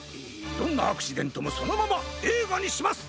どんなアクシデントもそのままえいがにします！